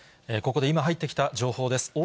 ここで今入ってきた情報です。